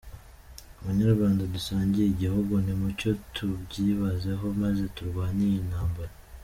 Banyarwanda dusangiye igihugu, nimucyo tubyibazeho maze turwane iyo ntambara.